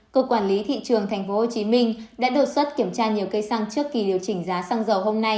cơ quan quản lý thị trường tp hcm đã đột xuất kiểm tra nhiều cây xăng trước kỳ điều chỉnh giá xăng dầu hôm nay